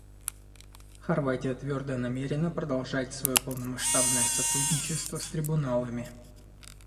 Хорватия твердо намерена продолжать свое полномасштабное сотрудничество с трибуналами.